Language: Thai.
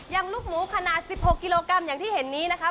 ลูกหมูขนาด๑๖กิโลกรัมอย่างที่เห็นนี้นะคะ